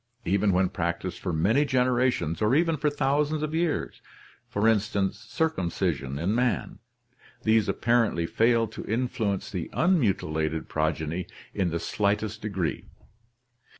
Even when practiced for many generations or even for thousands of years (circumcision in man) these apparently fail to influence the unmutilated progeny in the slightest degree.